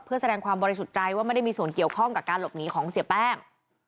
เพื่อแสดงความบริสุทธิ์ใจว่าไม่ได้มีส่วนเกี่ยวข้องกับการหลบหนีของเสียแป้ง